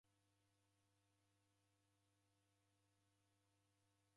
Ofungwa koni kala.